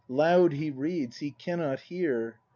] Loud he read's, he cannot hear.